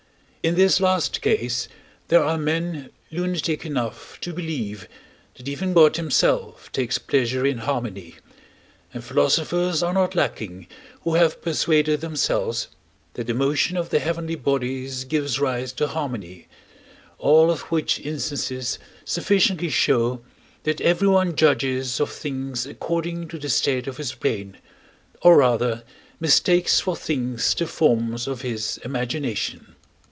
In this last case, there are men lunatic enough to believe, that even God himself takes pleasure in harmony; and philosophers are not lacking who have persuaded themselves, that the motion of the heavenly bodies gives rise to harmony all of which instances sufficiently show that everyone judges of things according to the state of his brain, or rather mistakes for things the forms of his imagination.